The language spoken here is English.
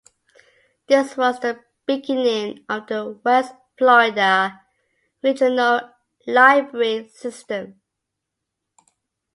This was the beginning of the West Florida Regional Library System.